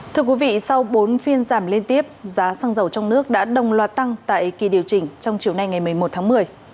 thưa quý vị sau bốn phiên giảm liên tiếp giá xăng dầu trong nước đã đồng loạt tăng tại kỳ điều chỉnh trong chiều nay ngày một mươi một tháng một mươi